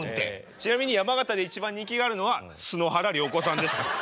ちなみに山形で一番人気があるのはスノハラリョウコさんでした。